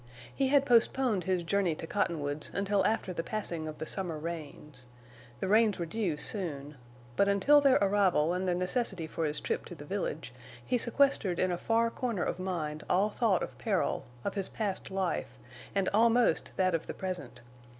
He had postponed his journey to Cottonwoods until after the passing of the summer rains. The rains were due soon. But until their arrival and the necessity for his trip to the village he sequestered in a far corner of mind all thought of peril, of his past life, and almost that of the present.